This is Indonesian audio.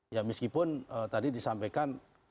ya meskipun tadi disampaikan